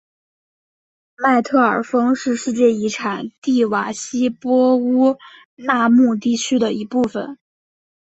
麦特尔峰是世界遗产蒂瓦希波乌纳穆地区的一部分。